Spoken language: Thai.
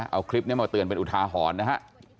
เอาคลิปนี้มาเตือนเป็นอุทาหรณ์นะฮะ